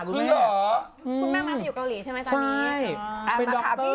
หรือหรอ